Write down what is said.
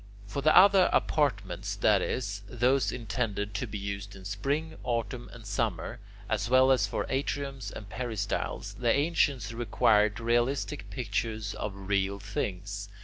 For the other apartments, that is, those intended to be used in Spring, Autumn, and Summer, as well as for atriums and peristyles, the ancients required realistic pictures of real things.